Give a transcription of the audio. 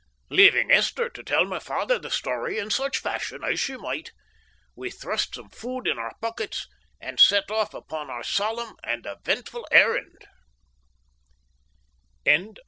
Leaving Esther to tell my father the story in such fashion as she might, we thrust some food in our pockets and set off upon our solemn and eventful errand.